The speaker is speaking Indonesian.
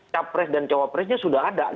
capres dan cawapresnya sudah ada